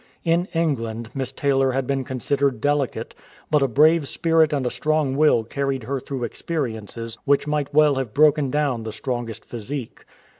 In England Miss Taylor had been considered delicate, but a brave spirit and a strong will carried her through experiences which might well have broken down the strongest physique.